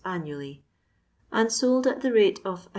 annually, and sold at the rate of 1«.